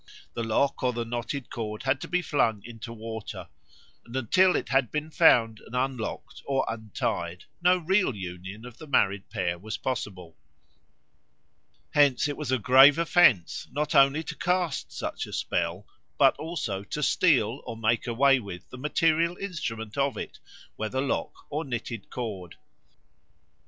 The lock or the knotted cord had to be flung into water; and until it had been found and unlocked, or untied, no real union of the married pair was possible. Hence it was a grave offence, not only to cast such a spell, but also to steal or make away with the material instrument of it, whether lock or knotted cord.